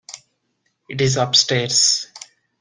It is upstairs.